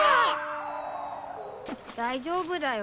大丈夫だよ。